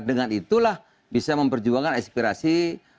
dengan itulah bisa memperjuangkan aspirasi